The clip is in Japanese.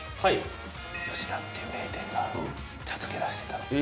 「よし田」っていう名店が茶漬け出してたの。